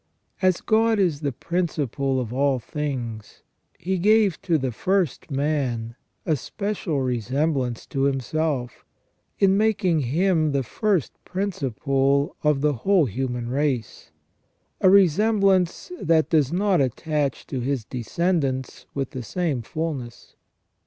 As God is the principle of all things, He gave to the first man a special resemblance to Himself, in making him the first principle of the whole human race, a resemblance that does not attach to his descendants with the same fulness.